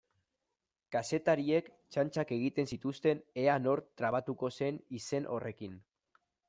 Kazetariek txantxak egiten zituzten ea nor trabatuko zen izen horrekin.